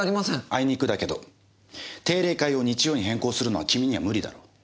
あいにくだけど定例会を日曜に変更するのは君には無理だろう。